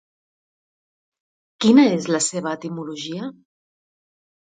Quina és la seva etimologia?